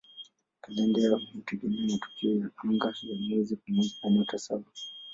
Kalenda yao hutegemea matukio ya anga ya mwezi pamoja na "Nyota Saba".